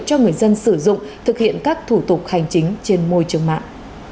cho người dân sử dụng thực hiện các thủ tục hành chính trên môi trường mạng